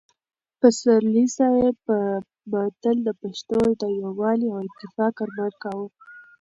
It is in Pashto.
پسرلي صاحب به تل د پښتنو د یووالي او اتفاق ارمان کاوه.